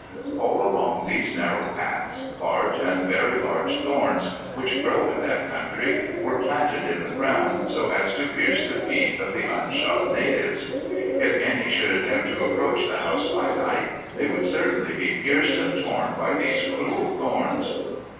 All along these narrow paths, large and very sharp thorns, which grew in that country, were planted in the ground, so as to pierce the feet of the unshod natives. If any should attempt to approach the house by night, they would certainly be pierced and torn by those cruel thorns.